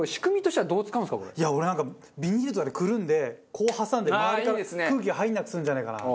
俺なんかビニールとかでくるんでこう挟んで周りから空気が入らなくするんじゃないかな。